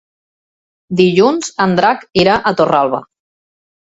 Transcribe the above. Dilluns en Drac irà a Torralba.